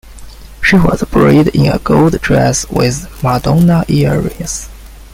She was buried in a gold dress with Madonna earrings.